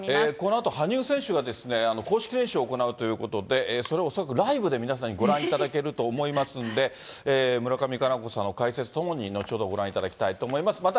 このあと、羽生選手が、公式練習を行うということで、それをライブで皆さんにご覧いただけると思いますんで、村上佳菜子さんの解説とともに、後ほどご覧いただきたいと思います。